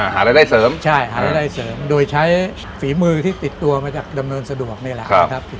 หารายได้เสริมใช่หารายได้เสริมโดยใช้ฝีมือที่ติดตัวมาจากดำเนินสะดวกนี่แหละนะครับ